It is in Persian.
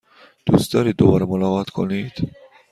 دوست دارید دوباره ملاقات کنید؟